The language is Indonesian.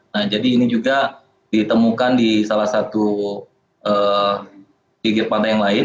nah jadi ini juga ditemukan di salah satu pinggir pantai yang lain